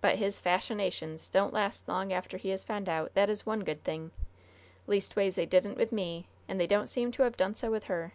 But his fashionations don't last long after he is found out that is one good thing! Leastways they didn't with me, and they don't seem to have done so with her.